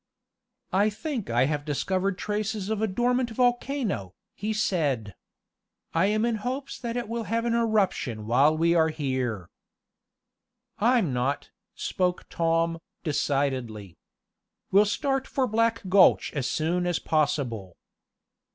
"I think I have discovered traces of a dormant volcano," he said. "I am in hopes that it will have an eruption while we are here." "I'm not," spoke Tom, decidedly. "We'll start for Black Gulch as soon as possible."